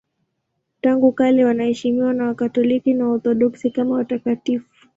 Tangu kale wanaheshimiwa na Wakatoliki na Waorthodoksi kama watakatifu.